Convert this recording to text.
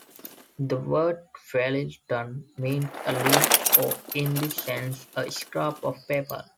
The word "feuilleton" meant "a leaf", or, in this sense, "a scrap of paper".